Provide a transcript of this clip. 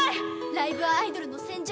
「ライブはアイドルの戦場！